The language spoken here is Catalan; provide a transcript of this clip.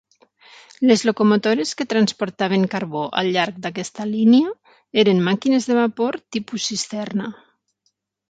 Les locomotores que transportaven carbó al llarg d'aquesta línia eren màquines de vapor tipus cisterna.